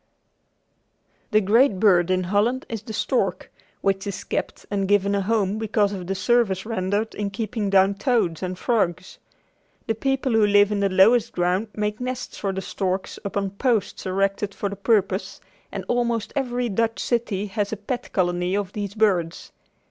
The great bird in Holland is the stork, which is kept and given a home because of the service rendered in keeping down toads and frogs. The people who live in the lowest ground make nests for the storks upon posts erected for the purpose, and almost every Dutch city has a pet colony of these birds.